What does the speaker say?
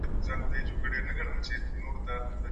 تيوري به تر عمل کم ارزښته سي.